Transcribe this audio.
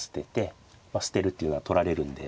まあ捨てるっていうのは取られるんで。